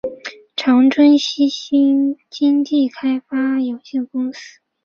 长春西新经济技术开发区的土地属于绿园区。